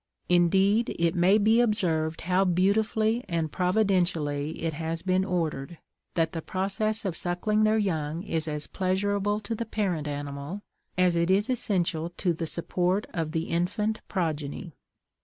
Indeed it may be observed how beautifully and providentially it has been ordered, that the process of suckling their young is as pleasurable to the parent animal as it is essential to the support of the infant progeny.